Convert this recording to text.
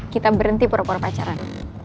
kita berhenti pura pura pacaran